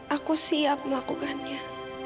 aku siap melakukannya